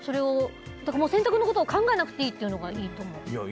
洗濯のことを考えなくていいというのがいいと思う。